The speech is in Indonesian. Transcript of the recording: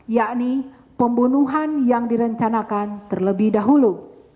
yakni pembunuhan yang direncanakan terlebih dahulu